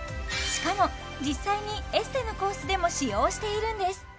しかも実際にエステのコースでも使用しているんです